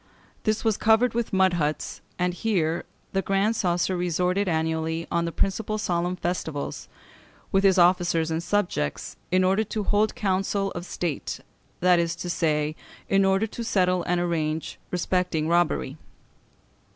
This was covered with mud huts; and here the Grand Coesre resorted annually on the principal solemn festivals, with his officers and subjects, in order "to hold his council of state," that is to say, in order to settle and arrange respecting robbery.